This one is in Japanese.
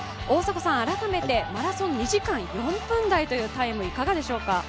大迫さん、改めてマラソン２時間４分台という記録はいかがでしょうか？